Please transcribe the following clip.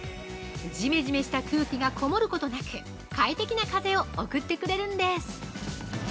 ジメジメした空気がこもることなく快適な風を送ってくれるんです。